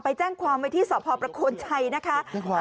ไปแจ้งความว่าที่สภาพประควรชัยนะคะ